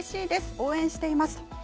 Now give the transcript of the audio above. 応援しています。